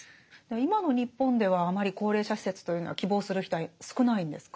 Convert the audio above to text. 今の日本ではあまり高齢者施設というのは希望する人は少ないんですか？